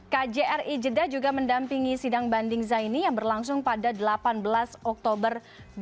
kjri jeddah juga mendampingi sidang banding zaini yang berlangsung pada delapan belas oktober dua ribu dua puluh